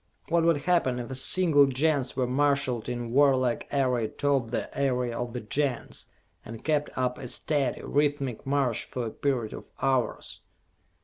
What would happen if a single Gens were marshalled in warlike array atop the area of the Gens, and kept up a steady, rhythmic march for a period of hours?"